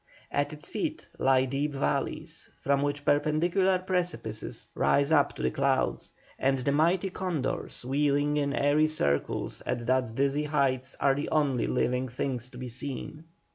At its feet lie deep valleys, from which perpendicular precipices rise up to the clouds, and the mighty condors wheeling in airy circles at that dizzy height are the only living things to be seen.